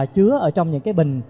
chứa ở trong những cái bình